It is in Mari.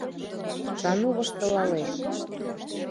— Сану воштылалеш.